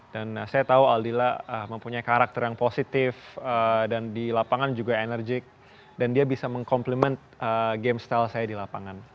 dan saya tahu aldila mempunyai karakter yang positif dan di lapangan juga enerjik dan dia bisa mengkomplement game style saya di lapangan